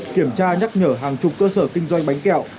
kiểm tra nhắc nhở hàng chục cơ sở kinh doanh bánh kẹo